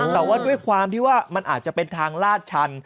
แต่ว่าด้วยความที่ว่ามันอาจจะเป็นทางลาดชัน